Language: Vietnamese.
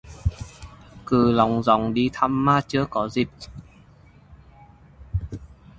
Cứ lóng dóng đi thăm mà chưa có dịp